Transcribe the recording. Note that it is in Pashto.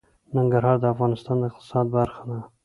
ننګرهار د افغانستان د اقتصاد برخه ده.